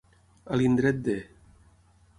A l'indret de.